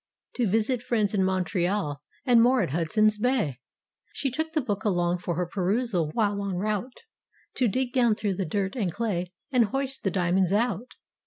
To visit friends in Montreal and more at Hudson's Bay. She took the book along for her perusal while en route. To dig down through the dirt and clay and hoist the diamonds out.